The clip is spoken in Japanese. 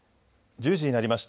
１０時になりました。